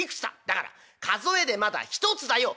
「だから数えでまだ１つだよ！」。